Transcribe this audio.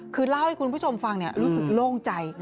คือเล่าให้คุณผู้ชมฟังรู้สึกโล่งใจ